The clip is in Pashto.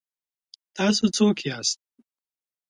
تاسو څوک یاست؟